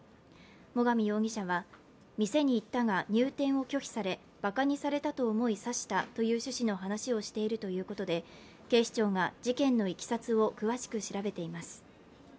最上容疑者は、店に行ったが入店を拒否さればかにされたと思い刺したという趣旨の話をしているということで警視庁が事件のいきさつを詳しく調べています。